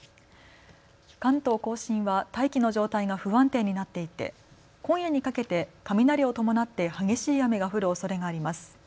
関東甲信は大気の状態が不安定になっていて今夜にかけて雷を伴って激しい雨が降るおそれがあります。